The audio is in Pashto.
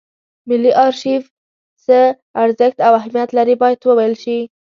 ملي ارشیف څه ارزښت او اهمیت لري باید وویل شي.